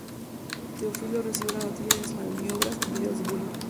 Teófilo recibió la noticia de estas maniobras a mediados de julio.